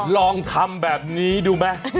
ลองทำแบบนี้ดูมั้ย